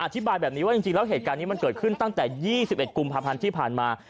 อธิบายแบบนี้ว่าจริงแล้วเหตุการณ์นี้มันเกิดขึ้นตั้งแต่๒๑กุมภาพันธ์ที่ผ่านมา